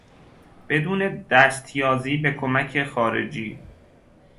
بدون دستیازی به کمک خارجی